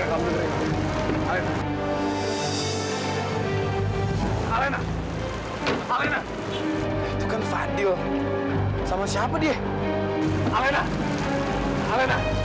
camilla tuh lagi hamil diel